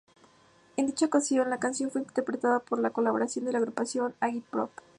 En dicha ocasión, la canción fue interpretada con la colaboración de la agrupación Agit-Prop.